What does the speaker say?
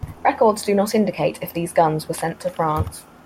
Records do not indicate if these guns were sent to France.